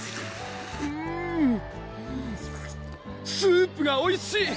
うんスープがおいしい！